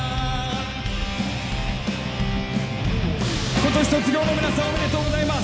今年卒業の皆さんおめでとうございます。